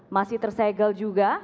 masih tersegel juga